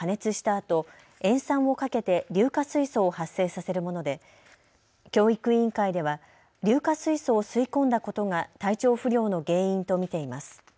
あと塩酸をかけて硫化水素を発生させるもので教育委員会では硫化水素を吸い込んだことが体調不良の原因と見ています。